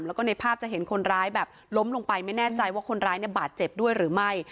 แล้วก็ในภาพจะเห็นคนร้ายแบบล้มลงไปไม่แน่ใจว่าคนร้ายเนี่ยบาดเจ็บด้วยหรือไม่